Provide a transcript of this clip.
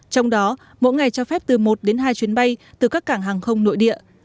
trong đó mỗi ngày cho phép từ một đến hai chuyến bay từ các cảng hàng không nội địa